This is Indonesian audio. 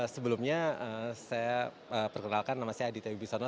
sebelumnya saya perkenalkan nama saya adita wibisono